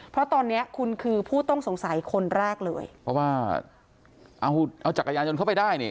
เพราะตอนเนี้ยคุณคือผู้ต้องสงสัยคนแรกเลยเพราะว่าเอาเอาจักรยานยนต์เข้าไปได้นี่